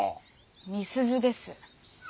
美鈴です。